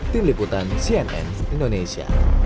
tim liputan cnn indonesia